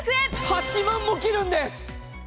８万も切るんです。